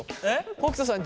北斗さん